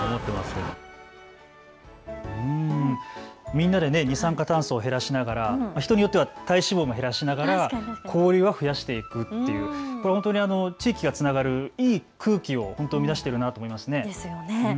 みんなで二酸化炭素を減らしながら、人によっては体脂肪も減らしながら交流は増やしていくという、本当に地域がつながるいい空気を生み出しているなと思いますね。